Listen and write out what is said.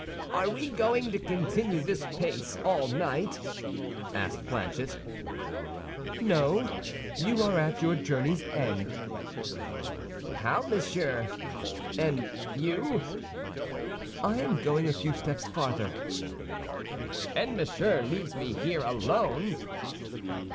"Are we going to continue this pace all night?" asked Planchet. "No; you are at your journey's end." "How, monsieur! And you?" "I am going a few steps farther." "And Monsieur leaves me here alone?"